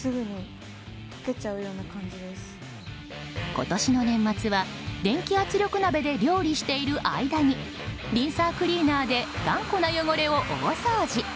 今年の年末は電気圧力鍋で料理している間にリンサークリーナーで頑固な汚れを大掃除！